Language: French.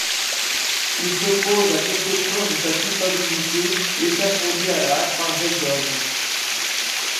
Il s'oppose à quelques preuves de sa culpabilité échafaudées à la hâte par Jeglov.